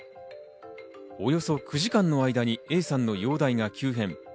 およそ９時間の間にＡさんの容体が急変。